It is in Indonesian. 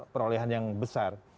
perolehan yang besar